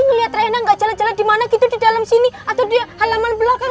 ngelihat rena gak jalan jalan di mana gitu di dalam sini atau di halaman belakang